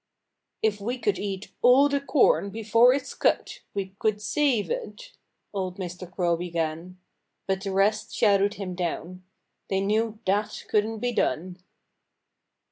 "If we could eat all the corn before it's cut, we could save it " old Mr. Crow began. But the rest shouted him down. They knew that couldn't be done.